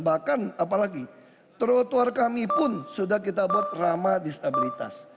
bahkan apalagi trotoar kami pun sudah kita buat ramah disabilitas